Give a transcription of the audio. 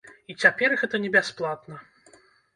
І цяпер гэта не бясплатна.